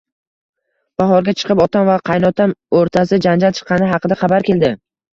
Bahorga chiqib, otam va qaynotam o`rtasida janjal chiqqani haqida xabar keldi